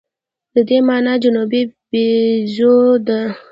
د دې مانا جنوبي بیزو ده.